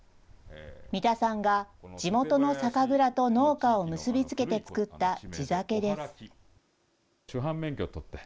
三田さんが地元の酒蔵と農家を結び付けて作った地酒です。